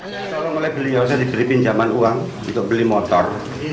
saya diberi pinjaman uang untuk beli motor